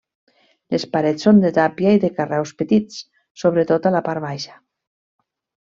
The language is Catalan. Les parets són de tàpia i de carreus petits, sobretot a la part baixa.